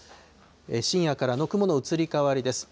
深夜からの雲の移り変わりです。